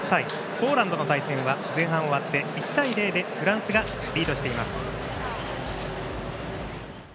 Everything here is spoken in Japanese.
ポーランドの対戦は前半終わって、１対０でフランスがリードしています。